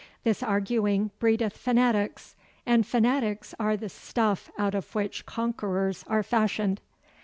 This arguing breedeth fanatics, and fanatics are the stuff out of which conquerors are fashioned.